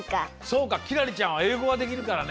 そうか輝星ちゃんはえいごができるからね。